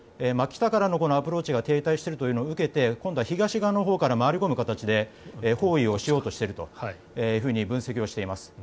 真北からのアプローチが停滞しているというのを受けて今度は東側のほうから回り込む形で包囲をしようとしていると分析をしています。